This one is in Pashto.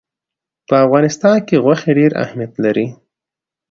په افغانستان کې غوښې ډېر اهمیت لري.